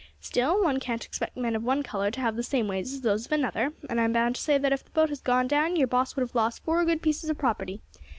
Still, one can't expect men of one colour to have the same ways as those of another, and I am bound to say that if the boat had gone down your boss would have lost four good pieces of property.